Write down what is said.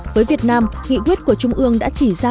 với việt nam nghị quyết của trung ương đã chỉ ra